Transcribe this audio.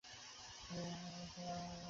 সকালের খোলা হাওয়া গায়ে লাগাতে হবে।